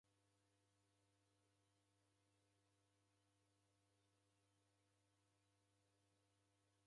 Chadu chimweri cha mwana chafuma chikalaghaya